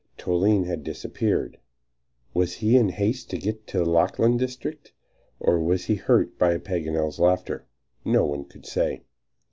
Toline had disappeared. Was he in haste to get to the Lachlan district? or was he hurt by Paganel's laughter? No one could say.